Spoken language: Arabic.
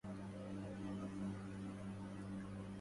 راح ساقي الراح يجلو القدحا